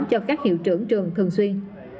cho các hiệu trưởng trường thường xuyên